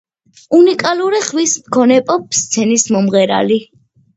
უნიკალური ხმის მქონე პოპ–სცენის მომღერალი.